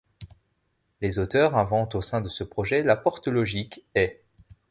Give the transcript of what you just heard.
Les auteurs inventent au sein de ce projet la porte logique et.